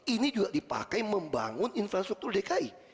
ini juga dipakai membangun infrastruktur dki